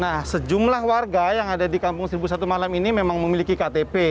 nah sejumlah warga yang ada di kampung seribu satu malam ini memang memiliki ktp